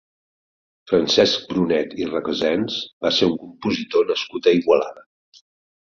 Francesc Brunet i Recasens va ser un compositor nascut a Igualada.